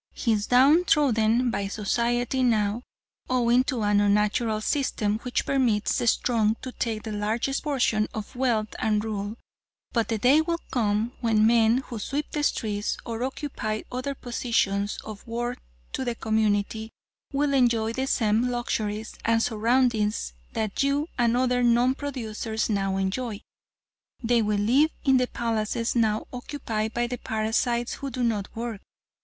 He is down trodden by society now, owing to an unnatural system which permits the strong to take the largest portion of wealth and rule; but the day will come when men who sweep the streets or occupy other positions of worth to the community, will enjoy the same luxuries and surroundings that you and other non producers now enjoy. They will live in the palaces now occupied by the parasites who do no work.